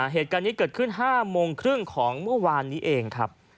เหตุการณ์นี้เกิดขึ้น๕โมงครึ่งของเมื่อวานนี้เองครับ